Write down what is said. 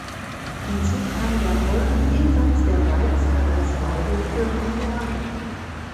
Hinzu kam der Holm jenseits der Weichsel als Weide für Pferde.